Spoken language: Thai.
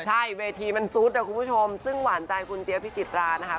ใช่เวทีมันซุดนะคุณผู้ชมซึ่งหวานใจคุณเจี๊ยพิจิตรานะคะ